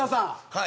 はい。